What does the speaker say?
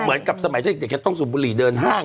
เหมือนกับสมัยชนิดเดียวแค่ต้องสูบบุหรี่เดินห้าง